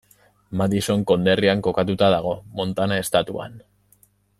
Madison konderrian kokatuta dago, Montana estatuan.